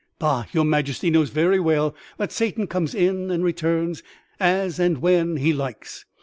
"Bah! your Majesty knows very well that Satan comes in and returns as and when he likes.